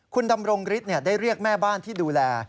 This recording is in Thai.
คุณดำรงฤทธิ์ได้เรียกแม่บ้านที่ดูแล